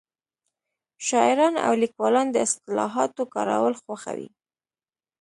شاعران او لیکوالان د اصطلاحاتو کارول خوښوي